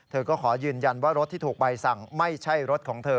เธอก็ขอยืนยันว่ารถที่ถูกใบสั่งไม่ใช่รถของเธอ